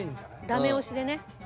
ダメ押しでね。